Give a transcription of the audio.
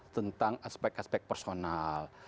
tentang aspek aspek personal